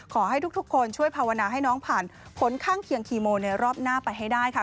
ขอให้ทุกคนช่วยภาวนาให้น้องผ่านผลข้างเคียงคีโมในรอบหน้าไปให้ได้ค่ะ